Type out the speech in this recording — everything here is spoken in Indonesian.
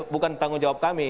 bukan tanggung jawab kami